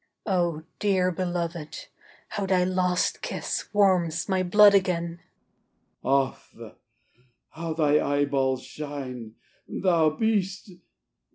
O dear belovéd, how thy last kiss warms My blood again! He Off!... How thy eyeballs shine! Thou beast!...